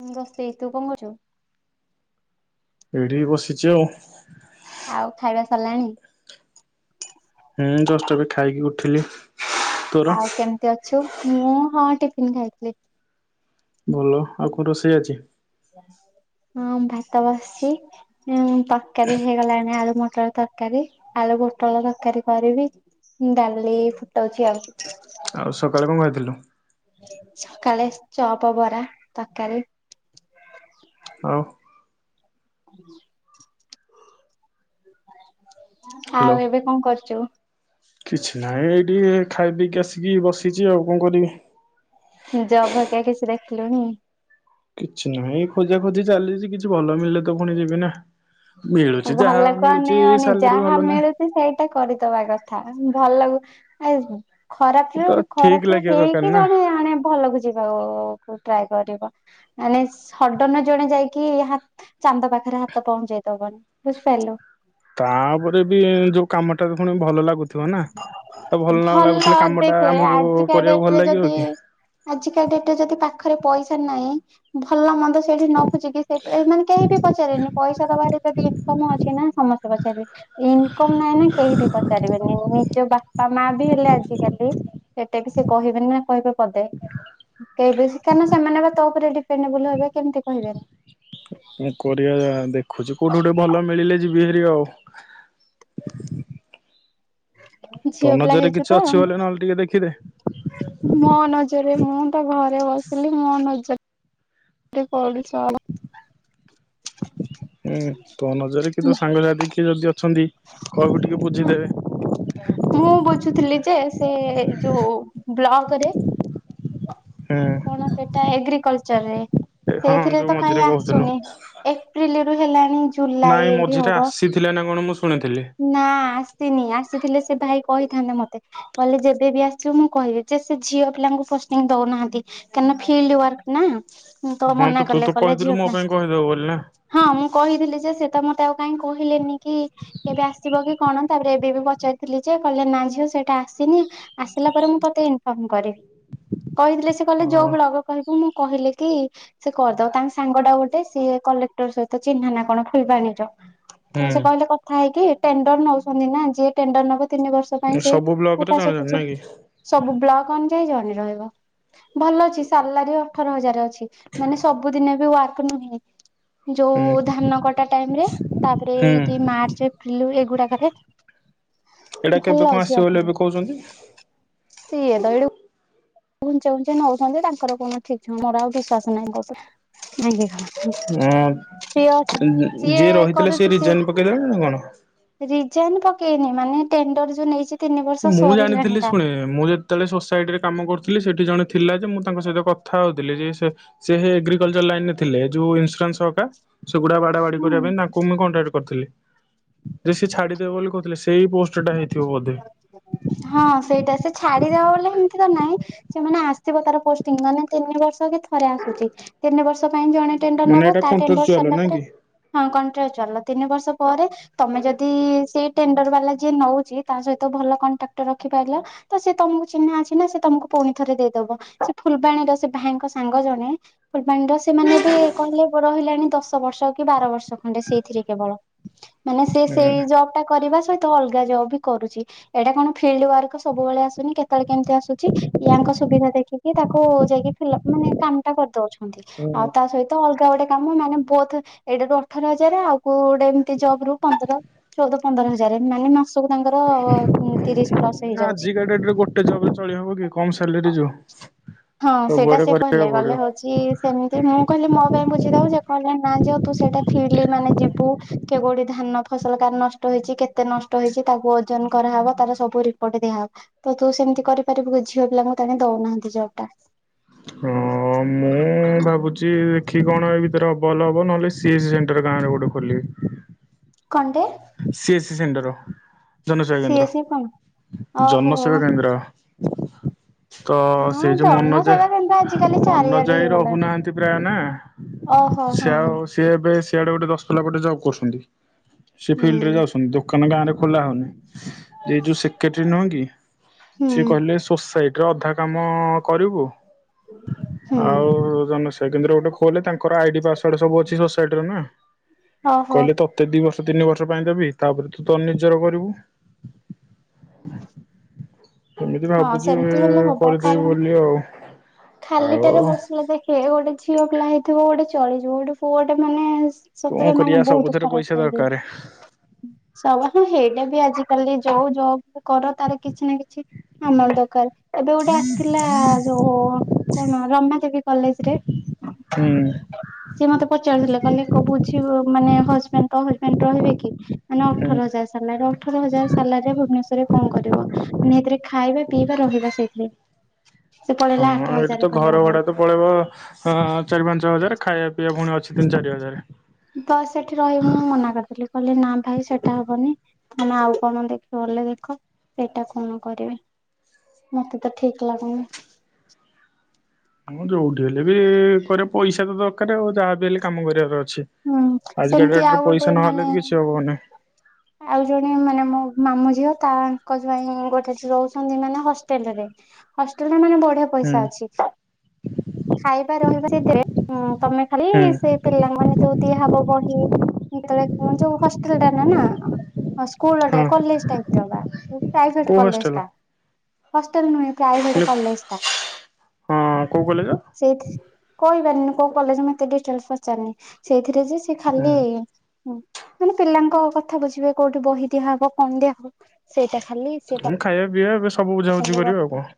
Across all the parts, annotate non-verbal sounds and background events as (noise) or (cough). ମୁଁ ବସିଚି ତୁ କଣ କରୁଚୁ? ଏଠି ବସିଛି ଆଉ ଆଉ ଖାଇବା ସରିଲାଣି? ହୁଁ ଜଷ୍ଟ ଏବେ ଖାଇକି ଉଠିଲି ତୋର ଆଉ କେମିତି ଅଛୁ ମୁଁ ହଁ ଟିଫିନ୍ ଖାଇଥିଲି। ଭଲ ଆଉ କୋଉ ରୋଷେଇ ଆଜି? ହଁ ଭାତ ବସିଛି ହୁଁ ତରକାରୀ ହେଇଗଲାଣି ଆଳୁ ମଟର ତରକାରୀ ଆଳୁ ଭୁଟଳ ତରକାରୀ କରିବି। ହୁଁ ଡାଲି ଫୁଟଉଚି ଆଉ। ଆଉ ସକାଳେ କଣ ଖାଇଥିଲୁ? ସକାଳେ ଚପ ବରା ତରକାରୀ ଆଉ। ହୁଁ (unintelligible) ହ୍ୟାଲୋ ଆଉ ଏବେ କଣ କରୁଚୁ? କିଛି ନାହିଁ ଏଇଟି ଖାଇ ପିଇକି ଆସିକି ବସିଚି ଆଉ କଣ କରିବି। ହୁ ଜବ ହରୀକା କିଛି ଦେଖିଲୁଣିି? କିଛି ନାହିଁ ଖୋଜା ଖୋଜି ଚାଲିଛି କିଛି ଭଲ ମିିଳିଲେ ତ ପୁଣି ଯିବି ନା ମିଳୁଛି ଯାହା ଭଲକୁ ମିଳୁଛି ଅନେଇବନି ସାଲରୀ ଯାହା ଭଲ ନାହିଁ। ମିଳୁଛି ସେଇଟା କରିଦବା କଥା ଭଲ ଲାଗୁ ଆବୁ ଖରାପ ତ ଥିଲେ ଠିକ ଖରାପ ରୁ ଲାଗିବା ଦରକାର ହେଇକି ନା ଜଣେ ଆଣେ ଭଲ କୁ ଯିବାକୁ ଉ ଟ୍ରାଏ କରିବ। ମାନେ ସଡ଼ନ ଜଣେ ଯାଇକି ହାତ୍ ଚାନ୍ଦ ପାଖରେ ହାତ ପହଞ୍ଚେଇ ଦବନ୍ ବୁଝିପାରିଲୁ। ତାପରେ ବି ଯୋଉ କାମଟା ରୁ ପୁଣି ଭଲ ଲା ଗୁଉଥିବ ନା ତାକୁ ଭଲ ନ ଲାଗୁଥିଲେ କାମ ଟା ଦେଖେ ଆମକୁ ଆଜିକା କରିବାକୁ ଭଲ ଡେଟରେ ଲାଗିବ ଯଦି କି ଆଜିକା ଡେଟରେ ଯଦି ପାଖରେ ପଇସା ନାହିଁ ଭଲ ମନ୍ଦ ସେଇଠି ନ ରଖୁଛି କି ସେ ମାନେ କେହି ବି ପଚାରେନି ପଇସା ଦବାରେ ଯଦି ଇନକମ ଅଛି ନା ସମସ୍ତେ ପଚାରିବେ ଇନକମ୍ ନାହିଁ ନା କେହି ବି ପ ନିଜ ବାପା ମା ବି ହେଲେ ଆଜିକାଲି ସେଟା ବି ସେ କହିବେ ନା କହିବେ ପଦେ କେ ବି ଶି କାରଣ ସେମାନେ ବା ତୋ ଉପରେ ଡିପେଣ୍ଡେବୁଲ ହେବେ କେମତି କହିବେନି। ମୁଁ କରିବା ଆ ଦେଖୁଛିି କୋଉଠି ଗୋଟେ ଭଲ ମିଳିଲେ ଯିବି ହେରି ଆଉ ତୋ ଝିଅ ପିଲା ନଜରରେ ହେଇଛୁ କିଛି ତ ଅଛି ବୋଲେ ନହେଲେ ଟିକେ ଦେଖିଦେ ମୋ ନଜରେ ମୁଁ ତ ଘରେ ବସିଲି ମୋ ନଜର ତେ ପଡୁଚ ଭ ହୁଁ ତୋ ନଜରରେ କି ତ ସାଙ୍ଗସାଥି କିଏ ଯଦି ଅଛନ୍ତି। କହବୁ ଟିକେ ବୁଝିଦେବେ। ମୁଁ ବୁଝୁଥିଲି ଯେ ସେ ଯୋଉ ବ୍ଲକ ରେ ହୁଁ କଣ ସେଟା ଏଗ୍ରିକଲଚରରେ। ଏ ହଁ ସେଇଥିରେ ଯୋଉ ତ ମଝିରେ କାହିଁ କହୁଥିଲୁ ଆସୁନି। ଏପ୍ରିଲି ରୁ ହେଲାଣି ଜୁଲାଇ ନାଇଁ ହେଇଟି ମଝିରେ ହବ ଆସିଥିଲା ନା କଣ ମୁଁ ଶୁଣିଥିଲି। ନା ଆସିନି ଆସିଥିଲେ ସେ ଭାଇ କହିଥାନ୍ତେ ମତେ କହିଲେ ଯେବେ ବିି ଆସିବୁ ମୁଁ କହିବି ଯେ ସେ ଝିଅ ପିଲାଙ୍କୁ ଫାଶ୍ ଉ ଦଉନାହାନ୍ତି କାହିଁନା ଫିଲ୍ଡ ୱାର୍କ ନା ହୁ ତ ହଁ ମନା ତୁ କଲେ ତ କଲେଜ କହିଥିଲୁ ଯିବା ମୋ ପାଇଁ କହିଦବୁ ବୋଲି ନା ହଁ ମୁଁ କହିଥିଲି ଯେ ସେ ତ ମତେ ଆଉ କାହିଁ କହିଲେନି କି କେବେ ଆସିବ କି କଣ? ତାପରେ ଏବେ ବି ମୁଁ ପଚାରଥିଲି ଯେ କହିଲେ ନା ଝିଅ ସେଇଟା ଆସିନି ଆସିଲା ପରେ ମୁଁ ତୋତେ ଇନଫର୍ମ କରିବି। କହିଥିଲେ ସେ କହିଲେ ଯୋଉ ହଁ। ବ୍ଳଗ କହିବୁ ମୁଁ କହିଲେ କି ସେ କରିଦବ ତାଙ୍କ ସାଙ୍ଗ ଟା ଗୋଟେ ସିଏ କଲେକ୍ଟର ସହିତ ଚିହ୍ନା ନା କଣ ଫୁଲବାଣୀର। ତ ସେ ହୁଁ। କହିଲେ କଥା ହେଇକି ଟେଣ୍ଡର ନଉଛନ୍ତି ନା ଯିଏ ଟେଣ୍ଡର ନବ ତିନି ବର୍ଷ ତୋ ପାଇଁ ସେ ସବୁ ବ୍ଲକରେ ହଁ ତା ଜଣେ ଜଣେ ସହିତ ସେ ନାଇଁ କି ସବୁ ବ୍ଲକ ଅନୁଯାୟୀ ଜଣେ ରହିବ। ଭଲ ଅଛି ସାଲାରୀ ଅଠର ହଜାର ଅଛି। ମାନେ ସବୁଦିନେ ବି ୱାର୍କ ନୁହେଁ। ଯୋଉ ହୁଁ। ଧାନ କଟା ଟାଇମ ରେ ତାପରେ ହୁଁ। ଏଇଟି ମାର୍ଚ୍ଚ ଏପ୍ରିଲ ଏଇଗୁଡାକରେ ଏଇଟା କେବେ କଣ ଆସିବ ବୋଲି ଏବେ କହୁଛନ୍ତି। ସିଏ ତ ଏଇିଡୁ ଘୁଞ୍ଚେଇ ଘୁଞ୍ଚେଇ ନଉଛନ୍ତି ତାଙ୍କର କଣ ଠିକ ଠିକଣା ମୋର ଆଉ ବିଶ୍ଵସ ନାହିଁ କହୁ ସିଏ ଅ ସିଏ ଯିଏ ରହିଥିଲେ ସିଏ କରୁଛି ରିଜାଇନ ପକେଇଦେଲେ ନା କଣ? ସିଏ। ରିଜାଇନ ପକେଇନି ମାନେ ଟେଣ୍ଡର ଯୋଉ ନେଇଛି ତିନି ବର୍ଷ ମୁଁ ଜାଣିଥିଲି ସରିଲାଣି ଶୁଣେ ତାର। ମୁଁ ଯେତେବେଳେ ସୋସାଇଟି ରେ କାମ କରୁଥିଲି ସେଠି ଜଣେ ଥିଲା ଯେ ମୁଁ ତାଙ୍କ ସହିତ କଥା ହଉଥିଲି ଯେ ସେ ସେ ଏଗ୍ରିକଲଚର ଲାଇନ ରେ ଥିଲେ। ଯୋଉ ଇନ୍ସୁରାନ୍ସ ସହକା ସେଗୁଡା ବାଡା ବାଡି ହୁଁ। କରିବା ପାଇଁ ତା ମୁଁ କଣ୍ଟାକ୍ କରିଥିଲି। ଯେ ସିଏ ଛାଡିଦେବେ ବୋଲି କହିଥିଲେ ସେଇ ପୋଷ୍ଟ ଟା ହେଇଥିବ ବୋଧେ। ହଁ ସେଇଟା ସେ ଛାଡିଦବା ବୋଲି ଏମିତି ତ ନହିଁ। ସେମାନେ ଆସିବ ତାର ପୋଷ୍ଟିଂ ମାନେ ତିନି ବର୍ଷ କି ଥରେ ଆସୁଛି ତିନି ବର୍ଷ ପାଇଁ ଜଣେ ଟେଣ୍ଡର ମାନେ ନବ ଏଇଟା ତା ଟେଣ୍ଡର କଣ୍ଟ୍ରୋଚୁଆଲ ସରିଲା ନାଇଁ ପରେ କି ହଁ କଣ୍ଟ୍ରିଚାଲ ତିନି ବର୍ଷ ପରେ ତମେ ଯଦି ସେଇ ଟେଣ୍ଡର ବାଲା ଯିଏ ନଉଛି ତା ସହିତ ଭଲ କଣ୍ଟାକ୍ଟର ରଖିପାରିଲ ତ ସେ ତମକୁ ଚିହ୍ନା ଅଛି ନା ସେ ତମକୁ ପୁଣି ଥରେ ଦେଇଦବ ସେ ଫୁଲବାଣୀର ସେ ଭାଇଙ୍କ ସାଙ୍ଗ ଜଣେ। ଫୁଲବାଣୀର ସେମାନେ ବି କହିଲେ ରହିଲାଣି ଦଶ ବର୍ଷ କି ବାର ବର୍ଷ। ମନେ ସେଇଥିରେ କେବଳ। ମାନେ ସେ ସେଇ ଜବ ଟା କରିବା ସହି ମୁଁ ତ ଅଲଗା ଜବ ବି କରୁଛି ଏଇଟା କଣ ଫିଲ୍ଡ ୱାର୍କ ସବୁବେଳେ ଆସୁନି କେତେବେଳେ କେମିତି ଆସୁଛି। ୟାଙ୍କ ସୁବିଧା ଦେଖିକି ତାକୁ ଯାଇକି ଫଲପ ମାନେ କାମ ଟା କରିଦଉଛନ୍ତି ହୁଁ ଆଉ ତା ସହିତ ତ ଅଲଗା ଗୋଟେ କାମ ମାନେ ବୋଥ ଏଇଟା ରୁ ଅଠର ହଜାର ଆଉ କଉ ଗୋଟେ ଜବ ରୁ ପନ୍ଦର ଚଉଦ ପନ୍ଦର ହଜା ଗ୍ୟାରେନ୍ତି ମାନେ ମାସକୁ ତାଙ୍କର ତିରିଶ ପ୍ଲସ ହେଇଯାଉଛି। କମ୍ ସ୍ୟାଲେରି ଯୋଉ। ହଁ ସେଇଟା ସବୁଆଡେ ସେ କରିବାକୁ କହିଲେ ଗଲେ ପଡିବ ହଉ। ସିଏ ସେମିତି ମୁଁ କହିଲି ମୋ ପାଇଁ ବୁଝି ଦବ କହିଲେ ନା ଝିଅ ତୁ ସେଇଟା ଫିଲ ମାନେ ଯିବୁ। କେ କୋଉଠି ଧାନ ଫସଲ କାହାର ନଷ୍ଟ ହେଇଛି କେତେ ନଷ୍ଟ ହେଇଛି ତାକୁ ଓଜନ କରାହବ ତାର ସବୁ ରିପୋର୍ଟ ଦିଆହେବ, ତ ତୁ ସେମିତି କରିପାରିବୁ ଝିଅ ପିଲାଙ୍କୁ ତାଙ୍କେ ଦଉନାହାନ୍ତି ଜବ୍ ଟା। ହଁ ମୁଁ ମୁଁ ଭାବୁଛି ଦେଖି କଣ ଏ ଭିତରେ ଭଲ ହବ ନହେଲେ ସିଏସ୍ ସେଣ୍ଟର ଗାଁ ରେ ଗୋଟେ ଖୋଲିବେ। (inaudible) କଣଟେ। ସି ଏ ସ୍ ସେଣ୍ଡର ଜନସେବା ସିଏ କେନ୍ଦ୍ର ସିଏ କଣ ଓହୋ ଜନସେବା କେନ୍ଦ୍ର। ତ ହଁ ସେଇ ଯୋଉ ମନୋଜ ଜନସେବା କେନ୍ଦ୍ର ଆଜିକାଲି ମନୋଜ ଚାରିଆଡେ ଭାଇ ହେଇଗଲାଣି। ରହୁନାହାନ୍ତି ପ୍ରାୟ ନା ଓହୋ ହଁ ସେ ହଁ ସିଏ ଏବେ ସିଆଡେ ଗୋଟେ ଦଶ ପଲା ଗୋଟେ ଜବ୍ କରୁଛନ୍ତି। ସେ ଫିଲ୍ଡ ରେ ହୁଁ ଯାଉଛନ୍ତି ଦୋକାନ ଗାଁ ରେ ଖୋଲା ହଉନି। ଏ ଯୋଉ ସେକ୍ରେଟାରୀ ନୁହେଁ କି ହୁଁ ସିଏ କହିଲେ ସୋସାଇ ଟରେ ଅଧା କାମ କରିବୁ। ହୁଁ ଆଉ ଜନସେବା କେନ୍ଦରେ ଗୋଟେ ଖୋଲେ ତାଙ୍କର ଆଇଡି ପାସୱାର୍ଡ ସବୁ ଅଛି ସୋସାଇଟି ର ନା। ଓହୋ। କହିଲେ ତତେ ଦି ବର୍ଷ ତିନି ବର୍ଷ ପାଇଁ ଦେବି ତାପରେ ତୁ ତୋର ନିଜର କରିବୁ। ଏମିତି ହଁ ଭାବୁଛି ସେମିତି ହେଲେ ହବ କରିଦେବି କାରଣ ବୋଲି ଆଉ। ଆଉ ଖାଲିଟାରେ ବସିଲେ ଦେଖେ ଗୋଟେ ଝିଅ ପିଲା ହେଇଥିବ ଗୋଟେ ଚଳିଯିବ ଗୋଟେ ପୁଅ ଗୋଟେ ମାନେ କଣ ସେତରେ ମାନେ କରିବା ବହୁତ ସବୁଥିରେ ପଇସା ଖରାପ ଲାଗିବ। ଦରକାର ସବ ହଁ ହେଇଟା ବି ଆଜିିକାଲି ଯୋଉ ଯଉ କର ତାର କିଛି ନା କିଛି ଆମର ଦରକାର, ଏବେ ଗୋଟେ ଆସିଥିଲା ଯୋଉ କଣ ରମା ଦେବୀ କଲେଜରେ। ହୁଁ। ସିଏ ମତେ ପଚାରୁଥିଲେ କହିଲେ କି ବୁଝିବୁ ମାନେ ହଜବେଣ୍ଡ ତୋ ହଜବେଣ୍ଡ ରହିବେ କି? ମାନେ ଅଠର ହୁଁ ହଜାର ସଲାରେ ଅଠର ହଜାର ସିଲ ରେ ଭୁବନେଶ୍ରରେ କଣ କରିବ। ପୁଣି ଏଥିରେ ଖାଇବା ପିଇବା ରହିବା ସେଇଠିରେ ସେ ପଳେଇଲା ହଁ ଆଠ ଆଉ ହଜା ଏଠି ତ ଘର ଭଡା ତ ପଳେଇବ ଚାରି ପାଞ୍ଚ ହଜାର। ଖାଇବା ପିଇବା ପୁଣି ଅଛି ତିନି ଚାରି ହଜାର। ତ ସେଠି ରହିବି ମୁଁ ମନା କରିଦେଲି କହିଲେ ନା ଭାଇ ସେଟା ହବନି। ତମେ ଆଉ କଣ ଦେଖବ ବୋଲେ ଦେଖ ସେଇଟା କଣ କରିବି। ମତେ ତ ଠିକ ଲାଗୁନି। ଆମେ ଯୋଉଠି ହେଲେ ବି କରେ ପଇସା ତ ଦରକାର ଆଉ ଯାହା ବିି ହେଲେ କାମ କରିବାର ଅଛି। ହୁଁ ଆଜିକା ସେମିତି ଆଉ ଡେଟରେ ଗୋଟେ ପଇସା ନହେଲେ ମାନେ ବି କିଛି ହବନି। ଆଉ ଜଣେ ମାନେ ମୋ ମାମୁ ଝିଅ ତାଙ୍କ ଜ୍ୱାଇଁ ଗୋଟେଟି ରହୁଛନ୍ତି ମାନେ ହଷ୍ଟେଲ ରେ। ହଷ୍ଟେଲରେ ମାନେ ବଢିଆ ହୁଁ ପଇସା ଅଛି। ଖାଇବା ରହିବା ସେ ଦେବେ ତମେ ଖାଲି ହୁଁ। ପିଲାମାନୋନେ ଯୋଉ ଦିଆହବ ବହି ଯେତେବେଳେ ଯୋଉ ହଷ୍ଟେଲ ଟା ନା ନା। ହଁ ସ୍କୁଲ ହଁ। କଲେଜ ଟାଇପ ର ବା ପ୍ରାଇଭେଟ କୋଉ କଲେଜ ହଷ୍ଟେଲ ଟା। ହଷ୍ଟେଲ ନୁହେଁ ପ୍ରାଇଭେଟ କଲେଜ ଟା। ହଁ କୋଉ କଲେଜ? ସେଇ କହି ପାରିନି କୋଉ କଲେଜ ମତେ ଡିଟେଲସ ପଚାରନି। ସେଇଥିରେ ଯେ ସେ ଖାଲି ହୁଁ ମ ମାନେ ପିଲାଙ୍କ କଥା କଥା ବୁଝିବେ କୋଉଠି ବହି ଦିଆ ହବ କଣ ଦିଆ ହବ ସେଇଟା ଖାଲି ସେ ଆମ ଖାଇବା ପିଇବା ଏବେ ସବୁ ବୁଝାବୁଝି ପାଉଛନ୍ତି କରିବି ଆଉ କଣ।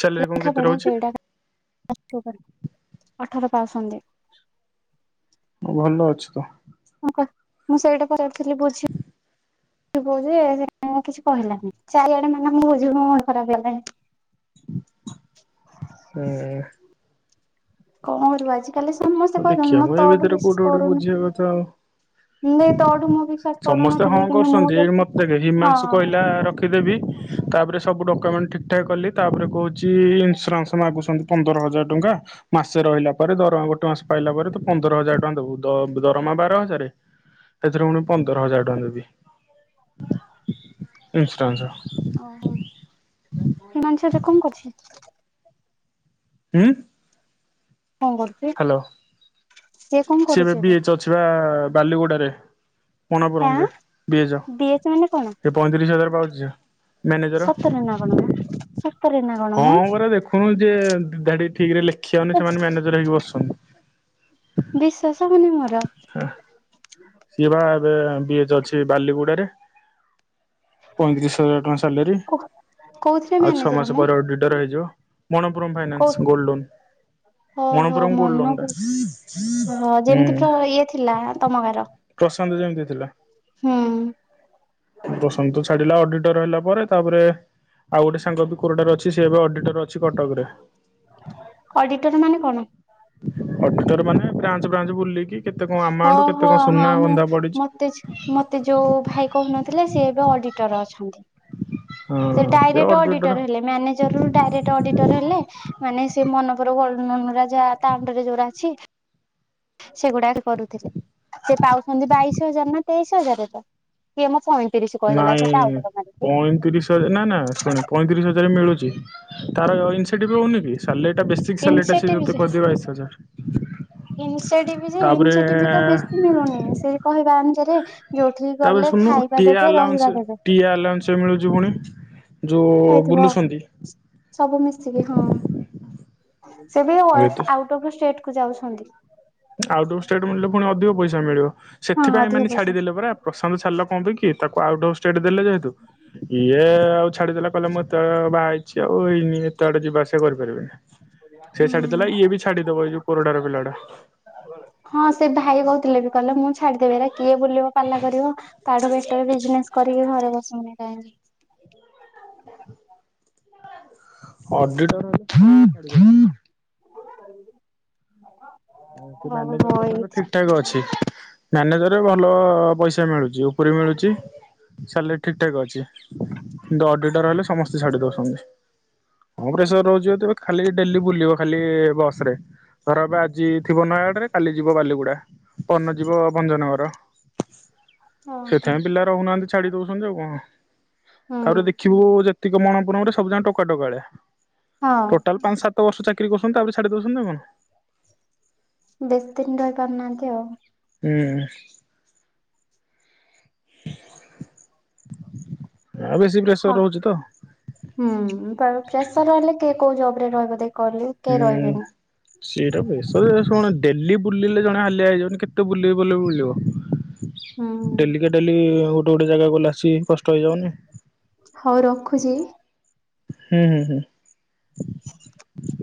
ସାଲେରୀ କଣ ଲେଖା କେତେ ପଢା ରହୁଛି ସେଇଟା ଅଠର ଆଉଛନ୍ତି। ଭଲ ଅଛି ତ। ହଁ କହ ମୁଁ ସେଇଟା ଯାଇଥିଲି ବୁଝି କହୁଛି କିଛି କହିଲାନି ଚାରିଆଡେ ମାନେ ମୁଁ ବୁଝିବି ମୋ ମୁଣ୍ଡ ଖରାପ ହେଇଗଲାଣି। ହୁଁ। କଣ କରିବ ଆଜି? ହଉ ଦେଖିବା ମୁଁ ଏ ଭିତରେ କୋଉଠି କୋଠେ ବୁଝିବା କରୁନି କଥା ଆଉ। ତୋଠୁ ମୁଁ ବିଶ୍ୱାସ ସମସ୍ତେ ହଁ କରୁନଥିଲି କିନ୍ତୁ ମୁଁ କରୁଛନ୍ତି। ଏଇ ଯେତେ ମତେ ହିମାଂଶୁ କହିଲା ରଖିଦେବି ତାପରେ ସବୁ ଡକ୍ୟୁମେଣ୍ଟ ଠିକ୍ ଠାକ୍ କଲି ତାପରେ କହୁଛି ଇନ୍ସୁରାନ୍ସ ମାଗୁଛନ୍ତି। ପନ୍ଦର ହଜାର ଟଙ୍କା ମାସେ ରହିଲା ପରେ ଦରମା ନ୍ସ ପାଇଲା ପରେ ତ ପନ୍ଦର ହଜାର ଟଙ୍କା ଦବୁ। ଦରମା ବାର ହଜାର ସେଥିରେ ପୁଣି ପନ୍ଦର ହଜାର ଟଙ୍କା ଦେବି। ଇନ୍ସୁରାନ୍ସ (inaudible) ଓହୋ ସେମାନସରେ କଣ କରଛି? ଉଁ କଣ କରୁଛି? ସିଏ ଏବେ ବିଚ୍ ଅଛି ବା ବାଲିଗୁଡ଼ାରେ। ପଣାପୁରମ ଆଁ ରେ ବିଏଯ ବିଏଚ୍ ମାନେ କଣ? ଏ ପଇଁତିରିଶ ହଜାର ପାଉଛିଯେ। ସତରେ ନା କଣମ? ସତରେ ନା ହଁ ପରା ଦେଖୁନୁ ଯିଏ ଦିଧାଡି ଠିକରେ ଲେଖି ଆଉନି ସେମାନେ ମ୍ୟାନେଜର ହେଇକି ବସୁଛନ୍ତି। ବିଶ୍ଵାସ ହଉନି ମୋର। ସିଏ ବା ଏବେ ବିଏଚ ଅଛି ବାଲିଗୁଡାରେ। ପଇଁତିରିଶ ହଜାର ଟଙ୍କା ସାଲାରୀ। କୋ କୋଉଥିରେ ଆଉ ଛଅ ମ୍ୟାନେଜର ମାସ ମ? ପ୍ରଡିଟର୍ ହେଇଯିବ। ମଣପୁରମ୍ କୋଉ ଫାଇନାନ୍ସ ଗଲ୍ଡ ଲୋନ୍। ଓହୋ ମନପୁରମ୍ ମନକୁ ଗୋଡ଼ଲଣ୍ଡଟା ହଁ ହୁଁ। ଯେମିତି ପ୍ର ଇଏ ଥିଲା ତମ ଗାର। ପ୍ରଶାନ୍ତ ଯେମିତି ଥିଲା। ହୁଁ। ପ୍ରଶାନ୍ତ ଛାଡିଲା ଅଡିଟର ହେଲା ପରେ ତାପରେ ଆଉ ଗୋଟେ ସାଙ୍ଗ କୋରଟା ରେ ଅଛି ସେ ଏବେ ଅଡିଟର ଅଛି କଟକରେ। ଅଡିଟର ମାନେ କଣ? ଅଡିଟର୍ ମାନେ ବ୍ରାଞ୍ଚ ବ୍ରାଞ୍ଚ ବୁଲିକି କେତେ କଣ ଆମାଉଣ୍ଟ ଓହୋ କେତେ କଣ ହଁ ସୁନା ମୁଁ ବନ୍ଧା ମତେ ପଡିଛି। ମତେ ଯୋଉ ଭାଇ କହୁନଥିଲେ ସିଏ ଏବେ ଅଡିଟର ଅଛନ୍ତି। ସେ ଡାଇରେକ୍ଟ ଅଡିଟର ହେଲେ। ମ୍ୟାନେଜ୍ ଡାଇରେକ୍ଟ ଅଡିଟର ହେଲେ। ମାନେ ସେ ମନପର ଗୋଲ୍ଡ ଲୋନ୍ ରେ ଆଜି ତା ଅଣ୍ଡରରେ ଯଉଟା ଅଛି ସେଗୁଡାକ କରୁଥିଲେ। ସେ ପାଉଛନ୍ତି ବାଇଶ ହଜାର ନା ତେଇଶ ହଜାରେ ତ। କିଏ ମଁ ପଇଁତିରିଶ କହିଦେଲା ସେ ନାଇଁ ଟାଉଟର ମାରିକି। ପଇଁତିରିଶ ନା ନା ଶୁଣି ପଇଁତିରିଶ ହଜାର ମିଳୁଛି ତାର ଇନସେଟିଭ ରହୁନି କି ସାଲେରୀ ଟା ଵେ ସିକ୍ସଟ ଇନସେଟିଭ୍ (unintelligible) ବାଇଶି ହଜାର। ଇନଷଟି ବି ଯେଇଷ ତାପରେ ଇନ୍ଷ୍ଏଟିଭ ବେଶୀ ମିଳୁନି ସେ କହିବା ଅନୁସାରେ (inaudible) ତାପରେ ଗଲେ ଶୁନୁ ଖାଇବା ଦେବେ ରହିବା ଟିଆଲାଉନ୍ସ ଦେବେ ଟିଆଲାଉନ୍ସ ସେ ମିଳୁଛି ପୁଣି। ଯୋଉ ହେଇଥିବ ବୁଲୁଛନ୍ତି ସବୁ ମିଶିକି ହଁ ସେ ବି ହୁଏତ ଆଉଟ ଅଫ ଷ୍ଟେଟ କୁ ଯାଉଛନ୍ତି। ଆଉଟ୍ ଅଫ୍ ଷ୍ଟେଟ ମିଳିଲେ ପୁଣି ଅଧିକ ପଇସା ମିଳିବ। ହଁ ସେଥିପାଇଁ ମାନେ ଅଧିକ ପଇସା ଛାଡିଦେଲେ ପରା। ପ୍ରଶାନ୍ତ ଛାଡିଲା କଣ ପନିକି? କି ତାକୁ ଆଉଡୋର ଦେଲେ ଯେହେତୁ ଇଏ ଆଉ ଛାଡିଦେଲା କହିଲେ ମୁଁ ତ ବାହା ହେଇଛି ଆଉ ହେଇନି ଡେ ଯିବା ଆସିବା କରିପାରିବେନି। ସେ ହୁଁ ଛାଡିଦେଲା ଇଏ ବି ଛାଡିଦବ ଏଇ ଯଉ କୋରୋଡାର ପିଲାଟା। ହଁ ସେ ଭାଇ କହୁଥିଲେ ବି। କଲେ ମୁଁ ଛାଡିଦେବି ଏରା କିଏ ବୁଲିବ ପାଲା କରିବ। ତାଠୁ ବେଟରେ ବିଜନେସ କରିକି ଘରେ ବସୁନି କାହିଁକି? ଅଡିଟ (unintelligible) (inaudible) ଆଉ ସେ ଓହୋ ମ୍ୟାନେଜର ଏଇଥି ପଖ (inaudible) ଠାକ ଅଛି। ମ୍ୟାନେଜରରେ ଭଲ ପଇସା ମିଳୁଛି ଉପରି ମିଳୁଛି। ସାଲେରୀ ଠିକ ଠାକ୍ ଅଛି କିନ୍ତୁ ଅଡିଟର ହେଲେ ସମସ୍ତେ ଛାଡି ଦଉଛନ୍ତି। (unintelligible) ରହୁଛିିବ ତେବେ ଖାଲି ଡେଲି ବୁଲିବ ଖାଲି ବସ ରେ। ଧର ଏବେ ଆଜି ଥିବ ନୟାଗଡ଼ ରେ କାଲି ଯିବ ବାଲିଗୁଡା ପନ ଯିବ ଭଞ୍ଜନଗର। ଓହୋ। ସେଥିାଇଁ ପିଲା ରହୁନାହାନ୍ତି ଛାଡି ଦଉଛନ୍ତି ଆଉ କଣ ହୁଁ ତାପରେ ଦେଖିବୁ ଯେତ କ ମଣପୁରରେ ସବୁ ଜାକ ଟକାଟକାଳିଆ। ହଁ ଟୋଟାଲ ପାଞ୍ଚ ସାତ ବର୍ଷ ଚାକିରି କରୁଛନ୍ତି ତାପ ଛାଡ଼ି ଦେଉଛନ୍ତି ଅଉ କଣ। ବେଶ ଦିନ ରହି ପାରୁନାହାନ୍ତି ଆଉ। ହୁଁ ଆଉ ବେଶୀ ପ୍ରେସର ହଁ ରହୁଛି ତ। ହୁଁ ପ୍ରେସର ରହିଲେ କିଏ କୋଉ ଜବ ରେ ରହିବ ଦେଖ। କହିଲୁ କେହି ହୁଁ ରହିବେନି। ସେଟା ବେଶ ଶୁଣ ଡେଲି ବୁଲିଲେ ଜଣେ ହାଲିଆ ହେଇଯିବନି କେତେ ବୁଲିବି ବ ବୁଲିବ? ହୁଁ ଡେଲିିକା ଡେଲି ଗୋଟେ ଗୋଟେ ଜାଗାକୁ ଗଲେ ଆସି କଷ୍ଟ ହେଇଯାଉନି? ହଉ ରଖୁଛି? ହୁଁ ହୁଁ ହୁଁ (inaudible)